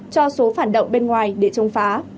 cho số phản động bên ngoài để chống phá